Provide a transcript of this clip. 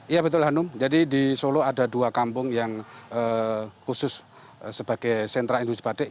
iya betul hanum jadi di solo ada dua kampung yang khusus sebagai sentra industri batik